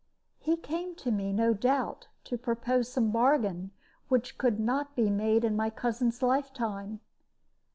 "He came to me, no doubt, to propose some bargain, which could not be made in my cousin's lifetime.